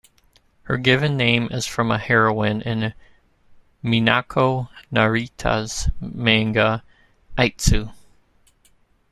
Her given name is from a heroine in Minako Narita's manga "Aitsu".